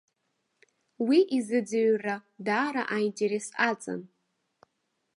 Уи изыӡырҩрра даара аинтерес аҵан.